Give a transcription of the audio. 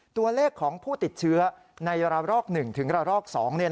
ตัวเลขของผู้ติดเชื้อในระลอก๑ถึงระลอก๒